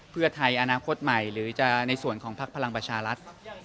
เพื่อไทยอนาคตใหม่หรือจะในส่วนของพักพลังประชารัฐ